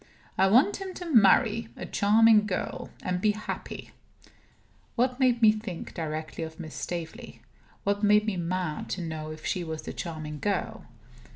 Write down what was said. I want him to marry a charming girl, and be happy." What made me think directly of Miss Staveley? What made me mad to know if she was the charming girl?